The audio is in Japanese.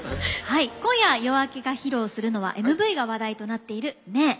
今夜、ＹＯＡＫＥが披露するのはＭＶが話題となっている「ねぇ」。